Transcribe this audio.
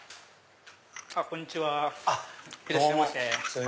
こんにちはいらっしゃいませ。